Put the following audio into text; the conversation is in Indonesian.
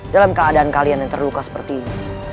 dalam keadaan kalian yang terluka seperti ini